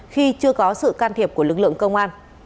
khi chưa có sự can thiệp của lực lượng công an